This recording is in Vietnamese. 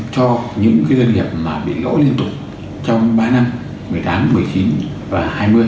cho những doanh nghiệp mà bị lỗ liên tục trong ba năm một mươi tám một mươi chín và hai mươi